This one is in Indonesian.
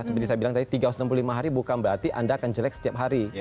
seperti saya bilang tadi tiga ratus enam puluh lima hari bukan berarti anda akan jelek setiap hari